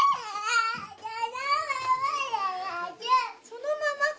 そのままか。